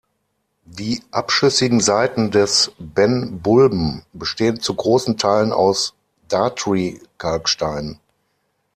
Die abschüssigen Seiten des Ben Bulben bestehen zu großen Teilen aus Dartry-Kalkstein.